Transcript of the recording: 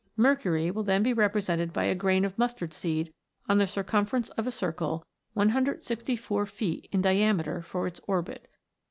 Mercury will then be represented by a grain of mustard seed on the circumference of a circle 164 feet in diameter for its orbit.